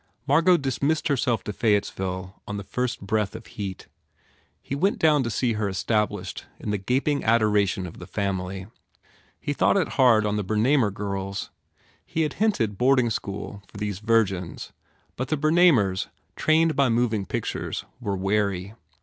Margot dismissed herself to Fayettesville on the first breath of heat. He went down to see her established in the gaping adoration of the family. He thought it hard on the Bernamer girls. He had hinted boarding school for these virgins but the Bernamers, trained by moving pic tures, were wary.